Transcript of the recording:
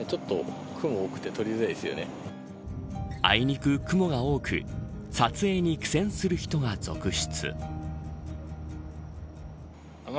あいにく雲が多く撮影に苦戦する人が続出。